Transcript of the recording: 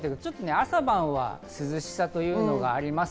朝晩は涼しさというのがあります。